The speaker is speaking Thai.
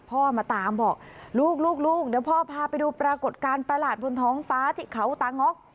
พ่อมาตามบอกลูกลูกเดี๋ยวพ่อพาไปดูปรากฏการณ์ประหลาดบนท้องฟ้าที่เขาตาง็อก